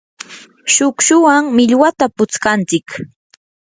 shukshuwan millwata putskantsik.